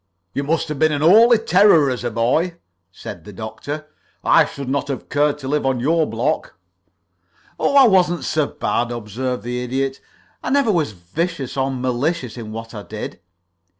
"You must have been a holy terror as a boy," said the Doctor. "I should not have cared to live on your block." "Oh, I wasn't so bad," observed the Idiot. "I never was vicious or malicious in what I did.